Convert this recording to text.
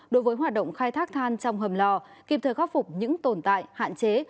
đối với hoạt động khai thác than trong hầm lò kịp thời khắc phục những tồn tại hạn chế